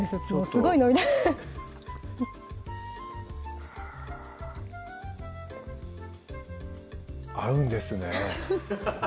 すごい飲みたい合うんですね